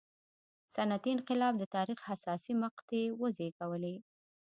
صنعتي انقلاب د تاریخ حساسې مقطعې وزېږولې.